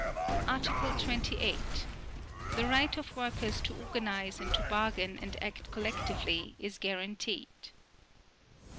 Article 28. The right of workers to organize and to bargain and act collectively is guaranteed.